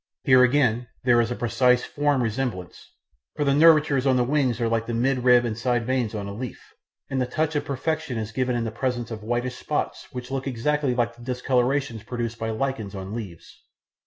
Here, again, there is precise form resemblance, for the nervures on the wings are like the mid rib and side veins on a leaf, and the touch of perfection is given in the presence of whitish spots which look exactly like the discolorations produced by lichens on leaves.